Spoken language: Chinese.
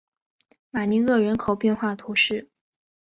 马尼厄人口变化图示